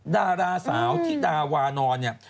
ดาราสาวธิดาวานอนเนี่ย